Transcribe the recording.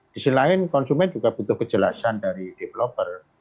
di sisi lain konsumen juga butuh kejelasan dari developer